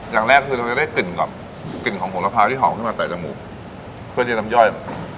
อย่างแรกที่เราจะได้กลิ่นกลับกลิ่นของโหลภาที่หอมขึ้นมาใต่จมูกเพื่อรัมย่อย